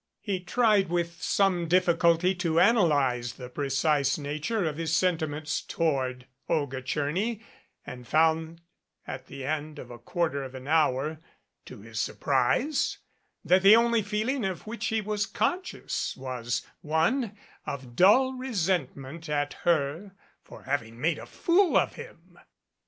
He tried with some difficulty to analyze the precise nature of his senti ments toward Olga Tcherny, and found at the end of a quarter of an hour, to his surprise, that the only feeling of which he was conscious was one of dull resentment at her for having made a fool of him.